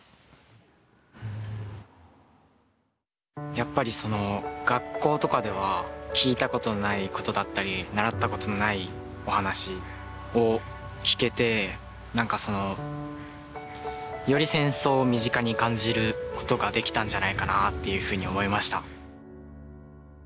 やっぱり学校とかでは聞いたことないことだったり習ったことのないお話を聞けて何かより戦争を身近に感じることができたんじゃないかなっていうふうに思いました。